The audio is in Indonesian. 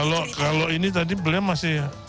kalau ini tadi beliau masih